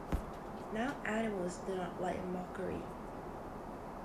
Now animals do not like mockery.